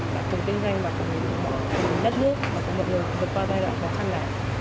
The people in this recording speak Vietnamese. để tự tinh danh và có một lực lượng đất nước và có một lực lượng vượt qua giai đoạn khó khăn này